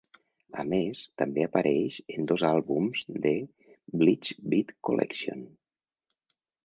A més, també apareix en dos àlbums de "Bleach Beat Collection".